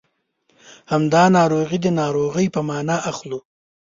همدا ناروغي د ناروغۍ په مانا اخلو.